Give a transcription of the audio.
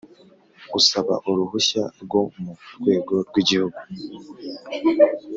Usaba uruhushya rwo mu rwego rw Igihugu